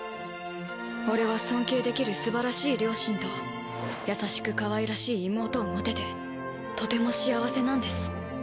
俺は尊敬できるすばらしい両親と優しくかわいらしい妹を持ててとても幸せなんです。